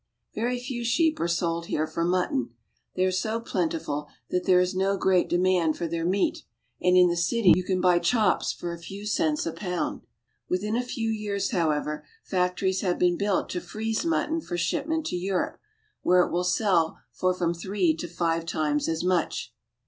Very few sheep are sold here for mutton. They are so plentiful that there is no great demand for their meat, and in the cities you can buy chops for a few cents a pound. Within a few years, however, factories have been built to freeze mutton for shipment to Europe, where it will sell for from three to five times as much.